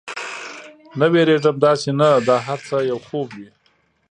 نه، وېرېږم، داسې نه دا هر څه یو خوب وي.